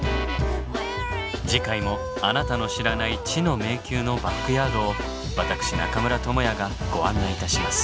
次回もあなたの知らない知の迷宮のバックヤードを私中村倫也がご案内いたします。